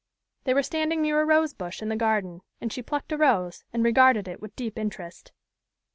They were standing near a rose bush in the garden; and she plucked a rose, and regarded it with deep interest.